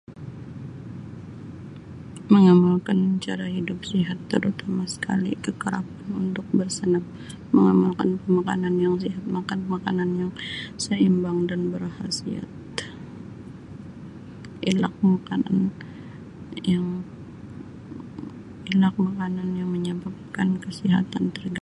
Mengamalkan cara hidup sihat terutama sekali kekerapan bersenam, mengamalkan pemakanan yang sihat, makan makanan yang seimbang dan berkhasiat, elak makan yang, elak makanan yang menyebabkan kesihatan terganggu.